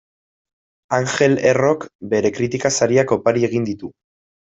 Angel Errok bere kritika sariak opari egin ditu.